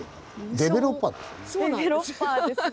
デベロッパーですね。